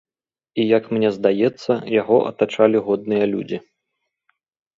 І як мне здаецца, яго атачалі годныя людзі.